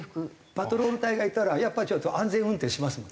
パトロール隊がいたらやっぱりちょっと安全運転しますもん。